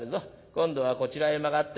今度はこちらへ曲がって」。